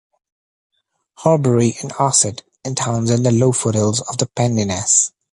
Horbury and Ossett and towns in the low foothills of the Pennines.